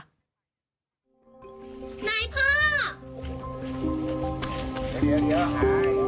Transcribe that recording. เยอะอ่ะค่ะ